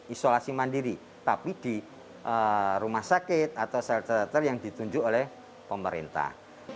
isolasi mandiri tapi di rumah sakit atau shelter shelter yang ditunjuk oleh pemerintah